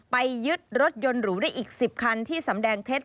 ไปยึดรถยนต์หรูได้อีก๑๐คันที่สำแดงเท็จ